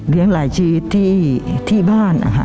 เลี้ยงหลายชีวิตที่บ้าน